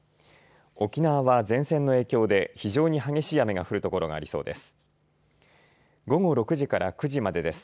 沖縄は前線の影響で非常に激しい雨が降るところがありそうです。